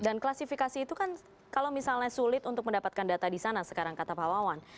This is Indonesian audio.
dan klasifikasi itu kan kalau misalnya sulit untuk mendapatkan data di sana sekarang kata pak wawan